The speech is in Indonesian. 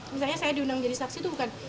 misalnya saya diundang menjadi saksi itu bukan